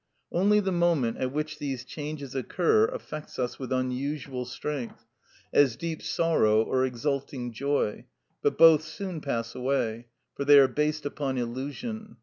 Only the moment at which these changes occur affects us with unusual strength, as deep sorrow or exulting joy, but both soon pass away, for they are based upon illusion.